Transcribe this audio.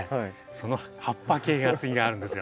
その葉っぱ系が次にあるんですよ。